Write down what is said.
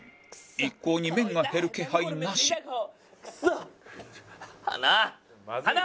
一向に麺が減る気配なしはな！はな！